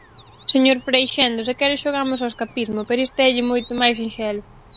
Señor Freixendo, se quere xogamos ao escapismo, pero isto élle moito máis sinxelo.